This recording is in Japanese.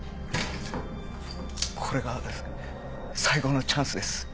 これが最後のチャンスです。